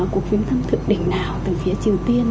cuộc phiến thăm thượng đỉnh nào từ phía triều tiên